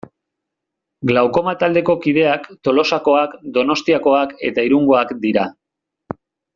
Glaukoma taldeko kideak Tolosakoak, Donostiakoak eta Irungoak dira.